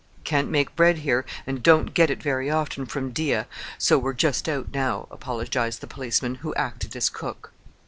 "Can't make bread here, and don't get it very often from Dyea, and we're just out now," apologized the policeman who acted as cook.